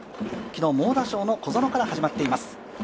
昨日、猛打賞の小園から始まっています。